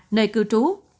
nơi cư trú